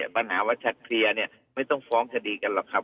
ปัญหาว่าชัดเคลียร์เนี่ยไม่ต้องฟ้องคดีกันหรอกครับ